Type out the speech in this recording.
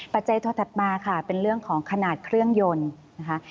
ตัวถัดมาค่ะเป็นเรื่องของขนาดเครื่องยนต์นะคะ